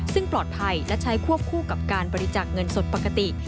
ซึ่งปลอดภัยและใช้ควบคู่กับการบริจาคเงินสดปกติ